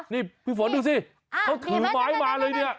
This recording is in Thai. นี่พี่ฝนดูสิเขาถือไม้มาเลยเนี่ย